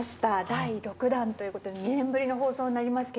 第６弾ということで２年ぶりの放送になりますけれど。